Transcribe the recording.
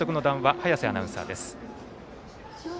早瀬アナウンサーです。